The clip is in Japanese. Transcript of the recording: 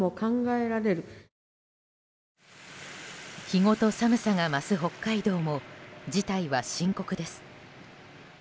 日ごと寒さが増す北海道も事態は深刻です。